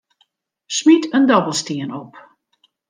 Smyt in dobbelstien op.